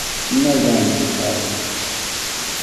No games were played.